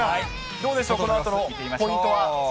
どうでしょう、このあとのポイントは。